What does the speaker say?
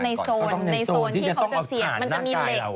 ในโซนที่จะต้องเอาผ่านหน้ากายเรา